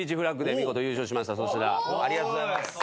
ありがとうございます。